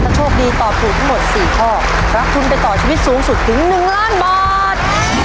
ถ้าโชคดีตอบถูกทั้งหมด๔ข้อรับทุนไปต่อชีวิตสูงสุดถึง๑ล้านบาท